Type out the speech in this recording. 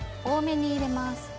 多めに入れます。